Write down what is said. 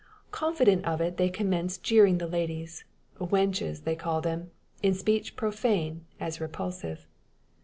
Confident of it they commence jeering the ladies "wenches" they call them in speech profane, as repulsive.